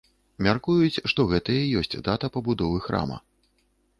Мяркуюць, што гэта і ёсць дата пабудовы храма.